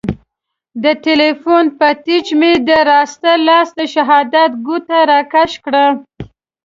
د تیلیفون په ټچ مې د راسته لاس د شهادت ګوته را کش کړه.